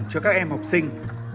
cho các em học sinh